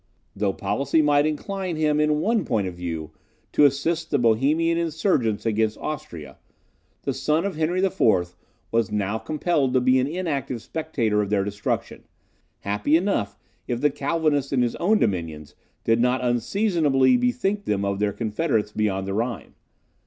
Though policy might incline him, in one point of view, to assist the Bohemian insurgents against Austria, the son of Henry the Fourth was now compelled to be an inactive spectator of their destruction, happy enough if the Calvinists in his own dominions did not unseasonably bethink them of their confederates beyond the Rhine.